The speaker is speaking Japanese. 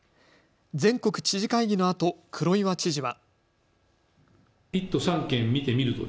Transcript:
全国知事会議のあと黒岩知事は。